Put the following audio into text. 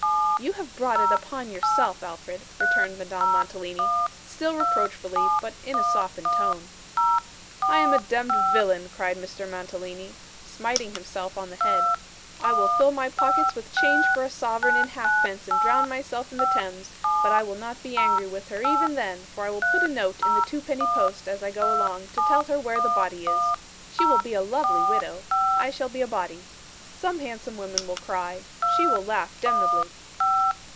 'You have brought it upon yourself, Alfred,' returned Madame Mantalini still reproachfully, but in a softened tone. 'I am a demd villain!' cried Mr. Mantalini, smiting himself on the head. 'I will fill my pockets with change for a sovereign in halfpence and drown myself in the Thames; but I will not be angry with her, even then, for I will put a note in the twopenny post as I go along, to tell her where the body is. She will be a lovely widow. I shall be a body. Some handsome women will cry; she will laugh demnebly.